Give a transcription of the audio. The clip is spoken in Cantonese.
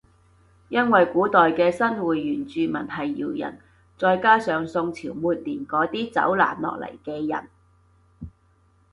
因為古代嘅新會原住民係瑤人再加上宋朝末年嗰啲走難落嚟嘅人